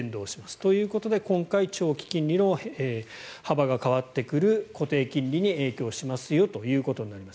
ということで今回長期金利の幅が変わってくる固定金利に影響しますよということになります。